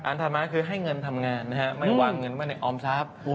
อันถัดมาก็คือให้เงินทำงานนะครับไม่ว่างเงินมาในออมทรัพย์